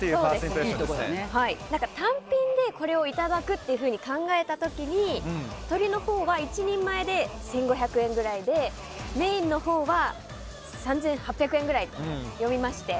単品でこれをいただくと考えた時に鶏のほうは１人前で１５００円くらいでメインのほうは３８００円ぐらいと読みまして。